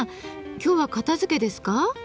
今日は片づけですか？